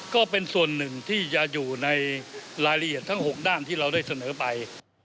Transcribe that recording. ก็เป็นส่วนหนึ่งที่จะอยู่ในรายละเอียดทั้ง๖ด้านที่เราได้เสนอไป